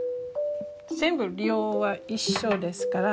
全部量は一緒ですから。